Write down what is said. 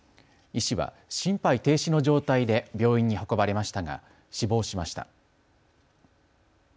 医師は心肺停止の状態で病院に運ばれましたが死亡しました。